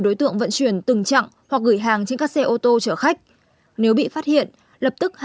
đối tượng vận chuyển từng chặng hoặc gửi hàng trên các xe ô tô chở khách nếu bị phát hiện lập tức